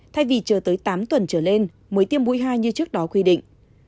thay vì chờ tới tám tuần trở lên mới tiêm mũi hai như trước đó quy định